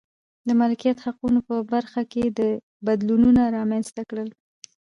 د مالکیت حقونو په برخه کې یې بدلونونه رامنځته کړل.